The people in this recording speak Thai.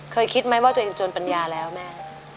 คิดไหมว่าตัวเองจนปัญญาแล้วแม่